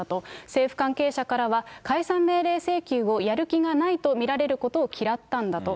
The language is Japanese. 政府関係者からは、解散命令請求をやる気がないと見られることを嫌ったんだと。